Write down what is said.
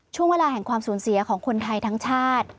ช่วงเวลาแห่งความสูญเสียของคนไทยทั้งชาติ